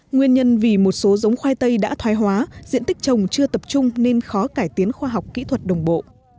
nguyên nhân vì một số giống khoai tây đã thoái hóa diện tích trồng chưa tập trung nên khó cải tiến khoa học kỹ thuật đồng bộ